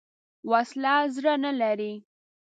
وسله زړه نه لري